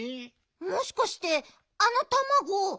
もしかしてあのたまごあたし？